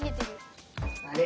あれ？